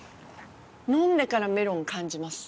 飲んでからメロン感じます。